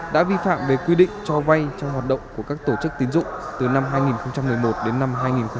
đã vi phạm về quy định cho vay trong hoạt động của các tổ chức tín dụng từ năm hai nghìn một mươi một đến năm hai nghìn một mươi bảy